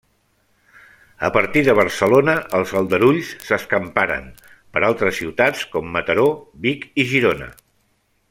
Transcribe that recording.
A partir de Barcelona els aldarulls s'escamparen per altres ciutats com Mataró, Vic i Girona.